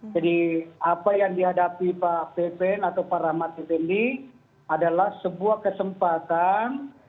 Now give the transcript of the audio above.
jadi apa yang dihadapi pak fnd atau pak rahmat fnd adalah sebuah kesempatan